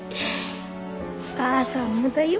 お母さんもだよ。